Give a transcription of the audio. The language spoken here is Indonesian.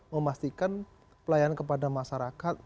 memastikan pelayanan kepada masyarakat